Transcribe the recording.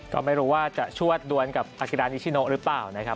ก็ไม่รู้ว่าจะชวดดวนกับอากิรานิชิโนหรือเปล่านะครับ